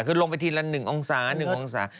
คือลงไปทีละ๑องศา๑องศา